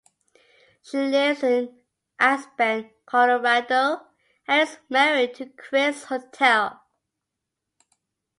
She lives in Aspen, Colorado and is married to Chris Hotell.